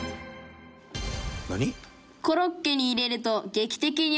何？